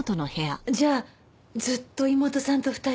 じゃあずっと妹さんと２人で？